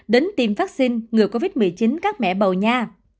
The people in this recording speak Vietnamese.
đến tiêm vắc xin ngừa covid một mươi chín các mẹ bầu nha